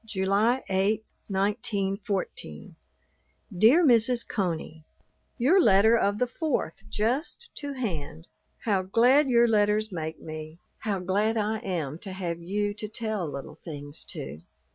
July 8, 1914. DEAR MRS. CONEY, Your letter of the 4th just to hand. How glad your letters make me; how glad I am to have you to tell little things to.